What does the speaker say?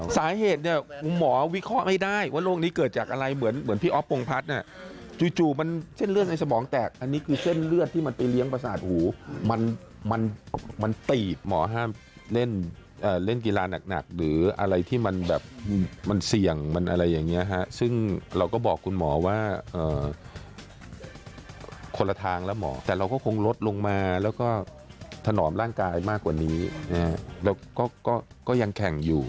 สาเหตุเนี่ยคุณหมอวิเคราะห์ไม่ได้ว่าโรคนี้เกิดจากอะไรเหมือนพี่อ๊อฟพงพัฒน์จู่มันเส้นเลือดในสมองแตกอันนี้คือเส้นเลือดที่มันไปเลี้ยงประสาทหูมันมันตีบหมอห้ามเล่นกีฬาหนักหรืออะไรที่มันแบบมันเสี่ยงมันอะไรอย่างนี้ฮะซึ่งเราก็บอกคุณหมอว่าคนละทางแล้วหมอแต่เราก็คงลดลงมาแล้วก็ถนอมร่างกายมากกว่านี้แล้วก็ก็ยังแข่งอยู่